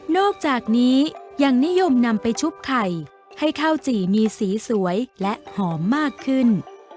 อกจากนี้ยังนิยมนำไปชุบไข่ให้ข้าวจี่มีสีสวยและหอมมากขึ้น